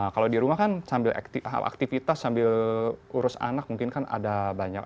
kalau di rumah kan sambil aktivitas sambil urus anak mungkin kan ada banyak